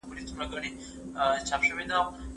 څه شي موږ ته د ستونزو په وړاندي د درېدو ځواک راکوي؟